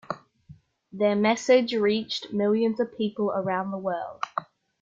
Their message reached millions of people around the world.